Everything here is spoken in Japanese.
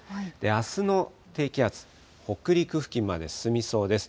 あすの低気圧、北陸付近まで進みそうです。